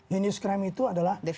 heinous crime itu adalah